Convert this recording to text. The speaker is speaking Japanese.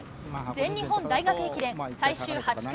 全日本大学駅伝最終８区。